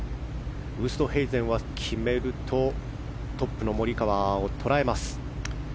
ウーストヘイゼンは決めるとトップのモリカワを捉えます。